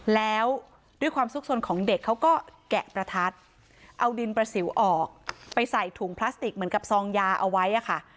แล้วด้วยความสุขสนของเด็กเขาก็แกะประทัดเอาดินประสิวออกไปใส่ถุงพลาสติกเหมือนกับซองยาเอาไว้อะค่ะ